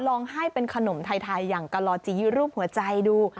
ลองให้เป็นขนมไทยอย่างกะลอจีรูปหัวใจดู